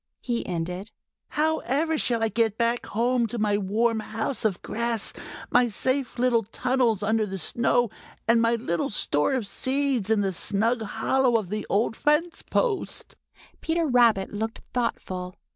he ended. "However shall I get back home to my warm house of grass, my safe little tunnels under the snow, and my little store of seeds in the snug hollow in the old fence post?" Peter Rabbit looked thoughtful.